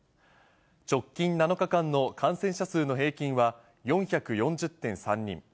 直近７日間の感染者数の平均は４４０．３人。